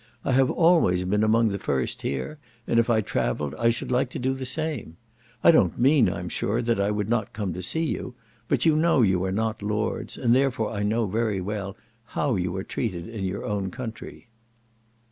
I have always been among the first here, and if I travelled I should like to do the same. I don't mean, I'm sure, that I would not come to see you, but you know you are not lords, and therefore I know very well how you are treated in your own country."